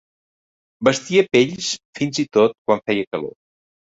Vestia pells fins i tot quan feia calor.